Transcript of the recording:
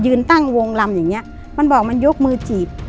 ตั้งวงลำอย่างเงี้ยมันบอกมันยกมือจีบ